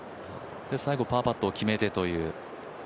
最後パーパットを決めてという。